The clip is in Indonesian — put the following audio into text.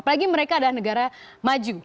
apalagi mereka adalah negara maju